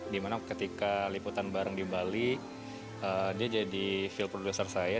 dimana ketika liputan bareng di bali dia jadi feel produser saya